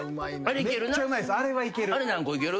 あれ何個いける？